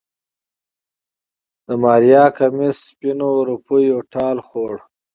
د ماريا کميس سپينو روپيو ټال خوړ.